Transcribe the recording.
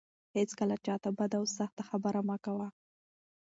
هيڅکله چا ته بده او سخته خبره مه کوه.